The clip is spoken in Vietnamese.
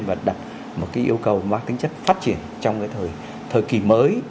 và đặt một cái yêu cầu mắc tính chất phát triển trong cái thời kỳ mới